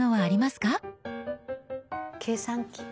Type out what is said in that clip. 計算機。